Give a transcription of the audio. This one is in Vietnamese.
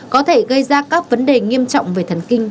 có thể gây ra các vấn đề nghiêm trọng về thần kinh